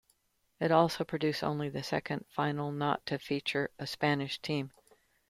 It also produced only the second final not to feature a Spanish team.